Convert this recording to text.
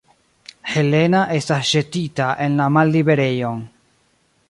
Helena estas ĵetita en la malliberejon.